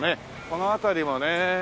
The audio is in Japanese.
この辺りもね